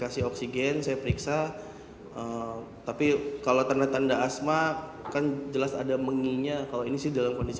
kasih oksigen saya periksa tapi kalau tanda tanda asma kan jelas ada menginya kalau ini sih dalam kondisi